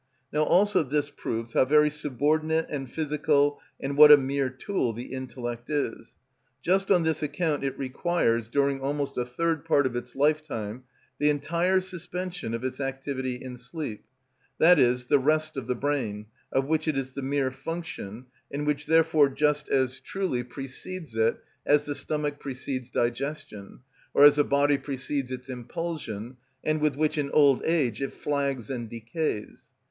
Now all this proves how very subordinate and physical and what a mere tool the intellect is. Just on this account it requires, during almost a third part of its lifetime, the entire suspension of its activity in sleep, i.e., the rest of the brain, of which it is the mere function, and which therefore just as truly precedes it as the stomach precedes digestion, or as a body precedes its impulsion, and with which in old age it flags and decays.